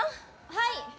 ・はい！